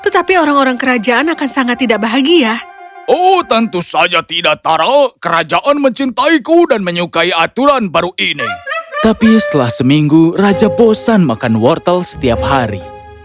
tapi setelah seminggu raja bosan makan wortel setiap hari